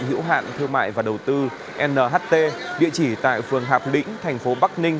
hữu hạn thương mại và đầu tư nht địa chỉ tại phường hạp lĩnh thành phố bắc ninh